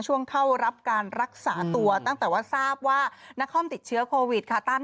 เข้ารับการรักษาตัวตั้งแต่ว่าทราบว่านครติดเชื้อโควิดค่ะ